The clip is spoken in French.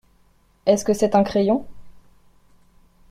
Est-ce que c’est un crayon ?